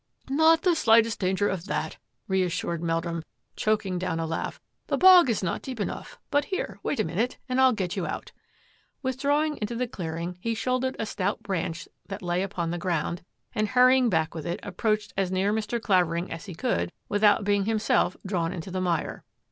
" Not the slightest danger of that," reassured Meldrum, choking down a laugh, " the bog is not deep enough; but here, wait a minute and I'll get you out." Withdrawing into the clearing, he shouldered a stout branch that lay upon the ground, and hurry ing back with it, approached as near Mr. Claver ing as he could without being himself drawn into the mire.